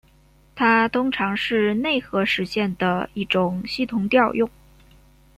它通常是内核实现的一种系统调用。